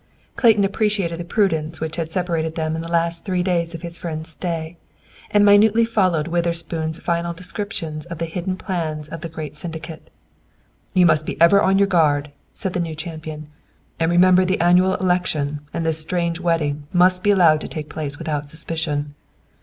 Clayton appreciated the prudence which had separated them in the last three days of his friend's stay, and minutely followed Witherspoon's final descriptions of the hidden plans of the great syndicate. "You must be ever on your guard," said the new champion, "and remember the annual election and this strange wedding must be allowed to take place without suspicion.